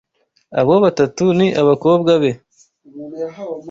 Abo batatu ni abakobwa be.